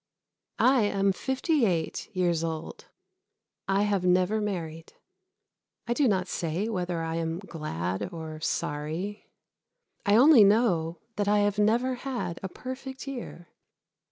I am fifty eight years old. I have never married. I do not say whether I am glad or sorry. I only know that I have never had a Perfect Year.